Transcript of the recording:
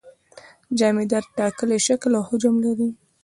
جامدات ټاکلی شکل او حجم لري.